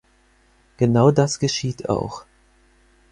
Genau das geschieht auch.